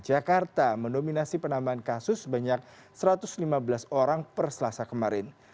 jakarta mendominasi penambahan kasus sebanyak satu ratus lima belas orang per selasa kemarin